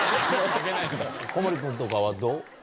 小森君とかはどう？